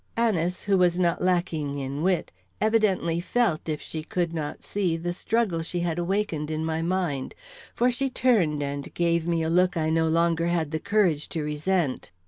Anice, who was not lacking in wit, evidently felt, if she could not see, the struggle she had awakened in my mind, for she turned and gave me a look I no longer had the courage to resent.